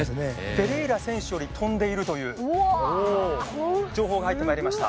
ペレイラ選手より飛んでいるという情報が入ってまいりました。